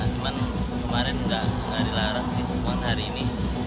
cuman kemarin gak dilarang sih kemarin hari ini